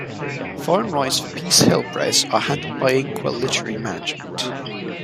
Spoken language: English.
Foreign rights for Peace Hill Press are handled by Inkwell Literary Management.